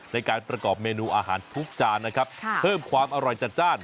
ในการประกอบเมนูอาหารทุกจานนะครับเพิ่มความอร่อยจัดจ้าน